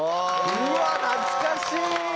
うわ懐かしい。